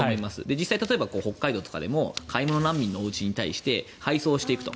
実際に北海道などでも買い物難民のおうちに対して配送していくと。